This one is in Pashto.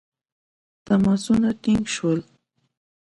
تماسونه ټینګ شول.